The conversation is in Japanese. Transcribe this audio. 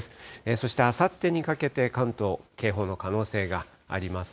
そしてあさってにかけて関東、警報の可能性があります。